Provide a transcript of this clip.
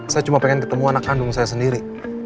saya cuma pengen ketemu anak kandung saya sendiri